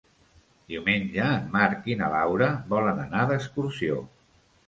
Diumenge en Marc i na Laura volen anar d'excursió.